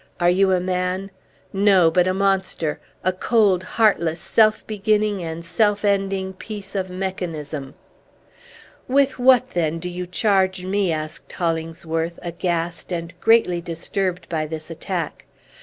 Are you a man? No; but a monster! A cold, heartless, self beginning and self ending piece of mechanism!" "With what, then, do you charge me!" asked Hollingsworth, aghast, and greatly disturbed by this attack.